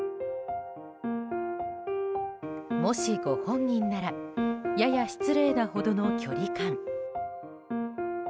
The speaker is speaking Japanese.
もしご本人ならやや失礼なほどの距離感。